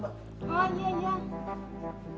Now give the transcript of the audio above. mbak bensunya ada mbak